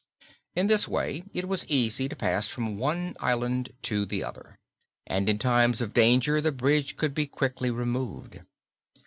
In this way it was easy to pass from one island to the other and in times of danger the bridge could be quickly removed.